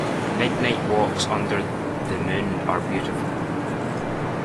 Midnight walks under the moon are beautiful.